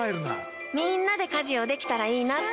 みんなで家事をできたらいいなって。